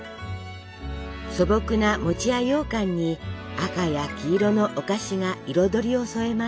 素朴な餅やようかんに赤や黄色のお菓子が彩りを添えます。